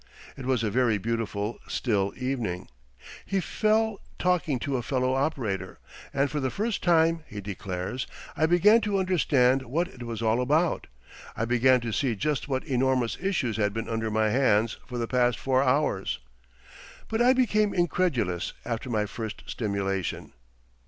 It was a very beautiful, still evening. He fell talking to a fellow operator, and for the first time, he declares, 'I began to understand what it was all about. I began to see just what enormous issues had been under my hands for the past four hours. But I became incredulous after my first stimulation.